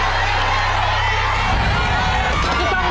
๓นาทีนะครับ